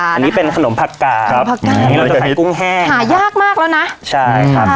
อันนี้เป็นขนมผักกาครับผักกาดอันนี้เราจะใส่กุ้งแห้งหายากมากแล้วนะใช่ครับ